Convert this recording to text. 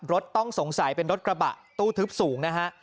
รถต้องสงสัยเป็นรถกระบะตู้ทึบสูงนะฮะ